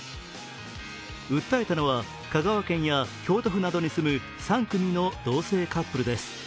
訴えたのは香川県や京都府などに住む３組の同性カップルです。